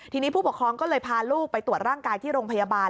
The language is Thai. ทีนี้ผู้ปกครองก็เลยพาลูกไปตรวจร่างกายที่โรงพยาบาล